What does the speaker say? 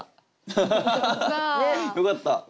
よかった！